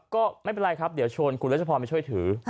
ก็ไม่เป็นไรครับเดี๋ยวชวนคุณรัชพรมาช่วยถือ